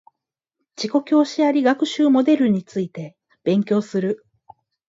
自己教師あり学習モデルについて勉強する